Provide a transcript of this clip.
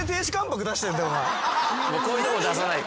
こういうとこ出さないと。